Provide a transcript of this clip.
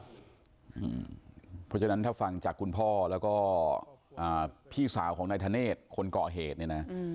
เพราะฉะนั้นถ้าฟังจากคุณพ่อแล้วก็พี่สาวของนายธเนธคนเกาะเหตุเนี่ยนะ